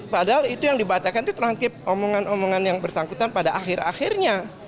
padahal itu yang dibacakan itu transkip omongan omongan yang bersangkutan pada akhir akhirnya